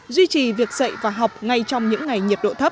duy trì việc dạy và học ngay trong những ngày nhiệt độ thấp